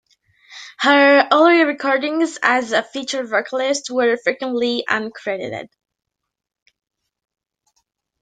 Her early recordings as a featured vocalist were frequently uncredited.